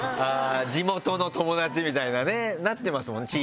地元の友達みたいなねなってますもんねチームに。